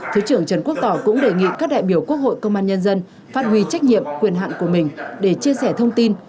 thứ trưởng trần quốc tỏ cũng đề nghị các đại biểu quốc hội công an nhân dân phát huy trách nhiệm quyền hạn của mình để chia sẻ thông tin